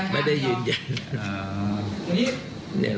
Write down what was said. ไม่ได้ยืนยัน